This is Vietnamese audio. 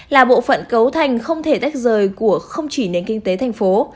là bộ phận cấu thành không thể tách rời của không chỉ nền kinh tế thành phố